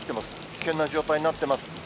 危険な状態になってます。